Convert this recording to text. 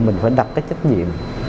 mình phải đặt cái trách nhiệm